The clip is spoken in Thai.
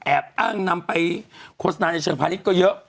อ้างนำไปโฆษณาในเชิงพาณิชย์ก็เยอะ